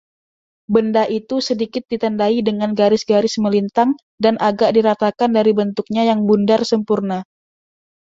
Benda itu sedikit ditandai dengan garis-garis melintang dan agak diratakan dari bentuknya yang bundar sempurna.